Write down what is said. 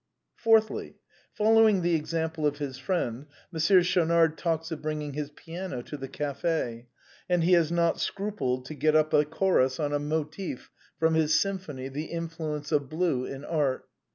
" Fourthly, Following the example of his friend, Mon sieur Schaunard talks of bringing his piano to the café; and he has not scrupled to get up a chorus on a motive from his symphony, ' The Influence of Blue in Art.'